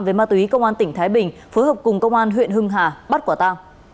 về ma túy công an tỉnh thái bình phối hợp cùng công an huyện hưng hà bắt quả ta